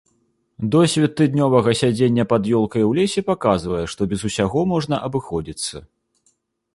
Досвед тыднёвага сядзення пад елкай у лесе паказвае, што без усяго можна абыходзіцца.